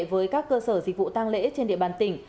với các cơ sở dịch vụ tăng lễ trên địa bàn tỉnh